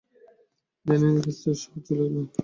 জানি এ কাজটা সহজ ছিল না।